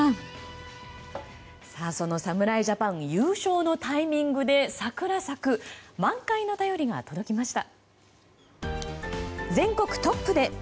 その侍ジャパン優勝のタイミングで桜咲く満開の便りが届きました。